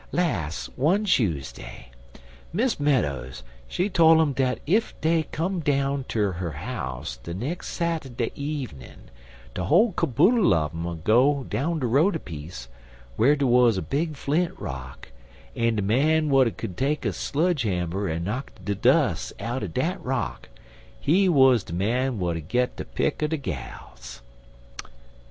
Las', one Chuseday, Miss Meadows, she tole um dat ef dey come down ter her house de nex' Sat'day evenin', de whole caboodle on um 'ud go down de road a piece, whar der wuz a big flint rock, en de man w'at could take a sludge hammer en knock de dus' out'n dat rock, he wuz de man w'at 'ud git de pick er de gals.